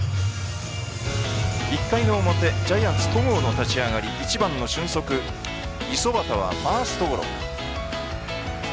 １回の表ジャイアンツ戸郷の立ち上がり、１番の俊足五十幡ファーストゴロ。